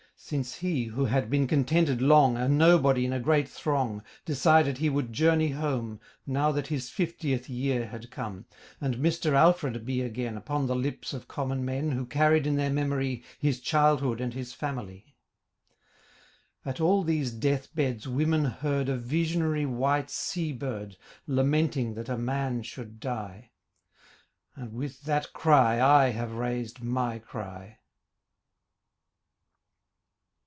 Since he, who had been contented long, A nobody in a great throng, Decided he would journey home, Now that his fiftieth year had come, And 'Mr. Alfred' be again Upon the lips of common men Who carried in their memory His childhood and his family. At all these death beds women heard A visionary white sea bird Lamenting that a man should die; And with that cry I have raised my cry.